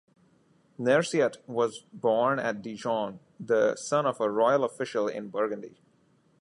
Nerciat was born at Dijon, the son of a royal official in Burgundy.